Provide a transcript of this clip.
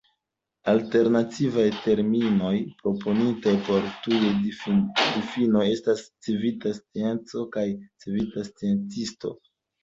Alternativaj terminoj proponitaj por tiuj difinoj estas "civita scienco" kaj "civita sciencisto.